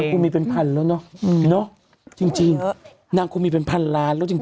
คุณมีเป็นพันแล้วเนอะจริงนางคงมีเป็นพันล้านแล้วจริง